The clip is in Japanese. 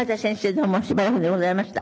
どうもしばらくでございました。